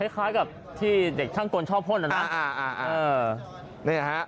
คล้ายกับที่เด็กช่างกลชอบพ่นนะนะ